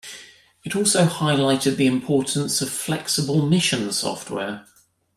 It also highlighted the importance of flexible mission software.